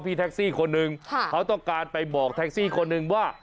แท็กซี่คนหนึ่งเขาต้องการไปบอกแท็กซี่คนหนึ่งว่า